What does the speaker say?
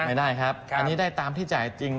ไม่ได้ครับอันนี้ได้ตามที่จ่ายจริง